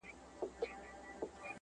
هر څه د راپور په شکل نړۍ ته وړاندي کيږي,